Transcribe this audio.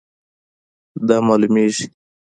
دا معلومیږي